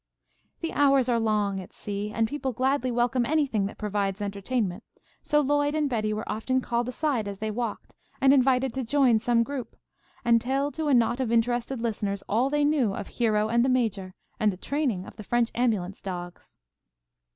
The hours are long at sea, and people gladly welcome anything that provides entertainment, so Lloyd and Betty were often called aside as they walked, and invited to join some group, and tell to a knot of interested listeners all they knew of Hero and the Major, and the training of the French ambulance dogs.